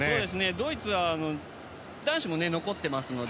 ドイツは男子も残ってますので。